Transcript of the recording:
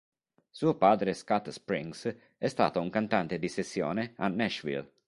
Suo padre Scat Springs è stato un cantante di sessione a Nashville.